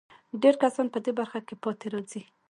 ډېر کسان په دې برخه کې پاتې راځي.